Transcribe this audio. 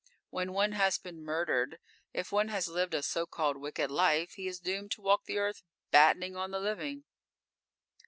When one has been murdered, if one has lived a so called wicked life, he is doomed to walk the earth battening on the living.